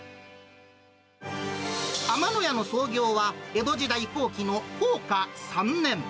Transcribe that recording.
天野屋の創業は江戸時代後期の弘化３年。